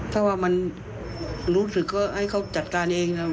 ถ้าว่ามันรู้สึกก็ให้เขาจัดการเองนะ